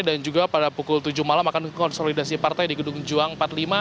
dan juga pada pukul tujuh malam akan konsolidasi partai di gedung juang empat puluh lima